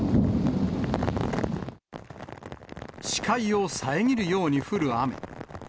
視界を遮るように降る雨。